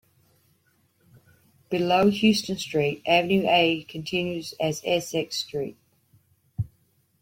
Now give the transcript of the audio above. Below Houston Street, Avenue A continues as Essex Street.